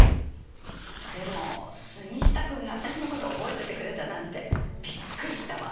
でも杉下君が私の事覚えててくれたなんてびっくりしたわ。